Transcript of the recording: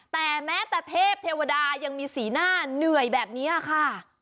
แต่แม้แต่เทพเทวดายังมีสีหน้าเหนื่อยแบบนี้ค่ะ